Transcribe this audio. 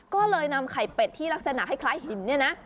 ก็เลยนำไข่เป็ดที่รักษณะให้คล้ายหิน